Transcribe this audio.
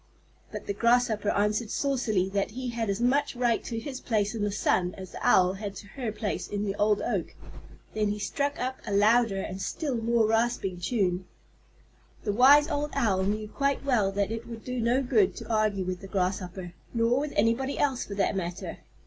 But the Grasshopper answered saucily that he had as much right to his place in the sun as the Owl had to her place in the old oak. Then he struck up a louder and still more rasping tune. The wise old Owl knew quite well that it would do no good to argue with the Grasshopper, nor with anybody else for that matter.